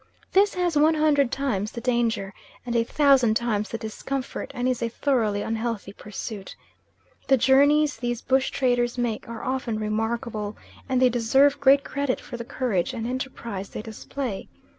This has one hundred times the danger, and a thousand times the discomfort, and is a thoroughly unhealthy pursuit. The journeys these bush traders make are often remarkable, and they deserve great credit for the courage and enterprise they display.